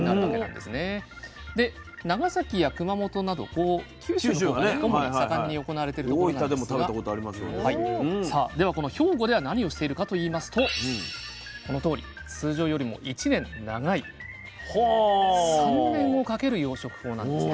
で長崎や熊本など九州のほうで主に盛んに行われてるところなんですがさあではこの兵庫では何をしているかといいますとこのとおり通常よりも１年長い３年をかける養殖法なんですね。